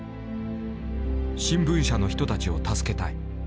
「新聞社の人たちを助けたい。